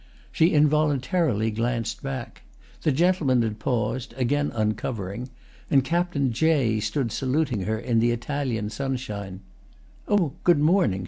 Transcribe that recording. She involuntarily glanced back; the gentleman had paused, again uncovering, and Captain Jay stood saluting her in the Italian sunshine. "Oh, good morning!"